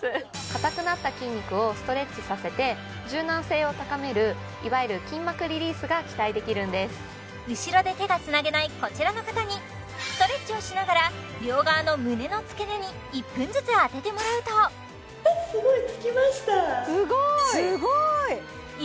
硬くなった筋肉をストレッチさせて柔軟性を高めるいわゆる筋膜リリースが期待できるんです後ろで手がつなげないこちらの方にストレッチをしながら両側の胸の付け根に１分ずつ当ててもらうとすごい！